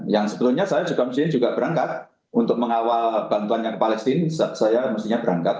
yang sebetulnya saya juga berangkat untuk mengawal bantuannya ke palestina saya mestinya berangkat